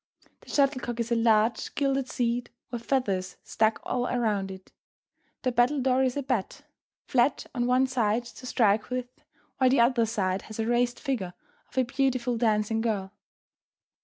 The shuttlecock is a large gilded seed with feathers stuck all around it; the battledore is a bat, flat on one side to strike with, while the other side has a raised figure of a beautiful dancing girl.